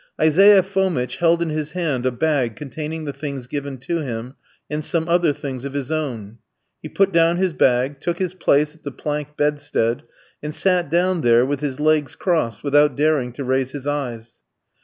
Isaiah Fomitch held in his hand a bag containing the things given to him, and some other things of his own. He put down his bag, took his place at the plank bedstead, and sat down there with his legs crossed, without daring to raise his eyes.